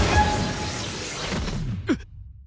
えっ？